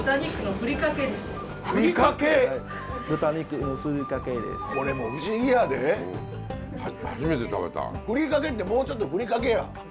ふりかけってもうちょっとふりかけやん。